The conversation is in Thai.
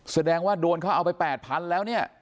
แสดงว่าโดนเขาเอาไป๘๐๐๐แล้วเนี่ย